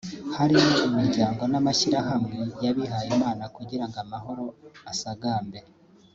harimo imiryango n’amashyirahamwe y’abihayimana kugira ngo amahoro asagambe